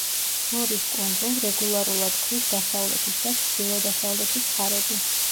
ლორის კუნძულ რეგულარულად ქრის დასავლეთის და ჩრდილო-დასავლეთის ქარები.